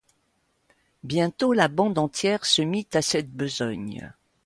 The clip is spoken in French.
Bientôt, la bande entière se mit à cette besogne.